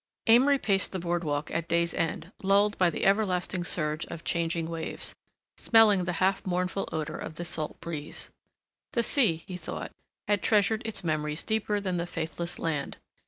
Amory paced the board walk at day's end, lulled by the everlasting surge of changing waves, smelling the half mournful odor of the salt breeze. The sea, he thought, had treasured its memories deeper than the faithless land.